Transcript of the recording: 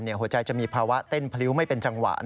หัวใจจะมีภาวะเต้นพลิ้วไม่เป็นจังหวะ